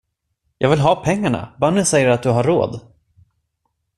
Jag vill ha pengarna, Bunny säger att du har råd!